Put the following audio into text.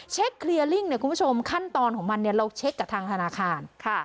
เช็คเคลียร์ลิ้งขั้นตอนของมันเราเช็คกับทางธนาคาร